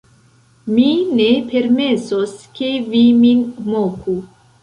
mi ne permesos, ke vi min moku!